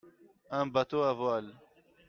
Un bâteau à voile.